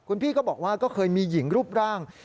คุณพี่ก็บอกว่าก็เคยมีหญิงรูปร่าง